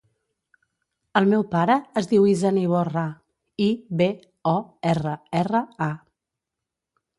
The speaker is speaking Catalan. El meu pare es diu Izan Iborra: i, be, o, erra, erra, a.